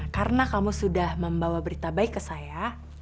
karena kamu sudah membawa berita baik ke saya